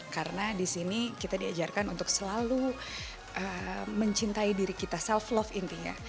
karena di sini kita diajarkan untuk selalu mencintai diri kita self love intinya